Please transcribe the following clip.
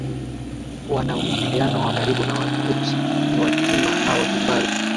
wanamwingiliano wa karibu na Watutsi ni Watimba na Watimbaru